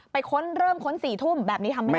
ค้นเริ่มค้น๔ทุ่มแบบนี้ทำไม่ได้